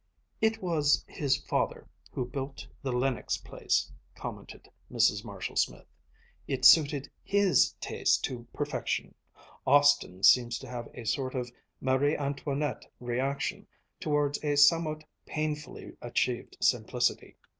"It was his father who built the Lenox place," commented Mrs. Marshall Smith. "It suited his taste to perfection. Austin seems to have a sort of Marie Antoinette reaction towards a somewhat painfully achieved simplicity.